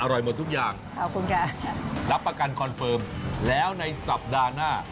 อร่อยหมดทุกอย่างรับประกันคอนเฟิร์มแล้วในสัปดาห์หน้า